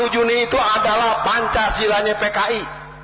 satu juni itu adalah panca silanya pki